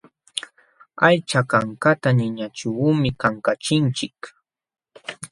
Aycha kankata ninaćhuumi kankachinchik.